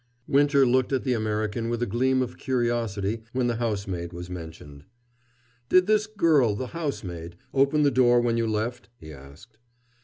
Winter looked at the American with a gleam of curiosity when the housemaid was mentioned. "Did this girl, the housemaid, open the door when you left?" he asked.